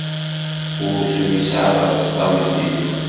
Ursu yesɛa taseḍḍa wezzilen.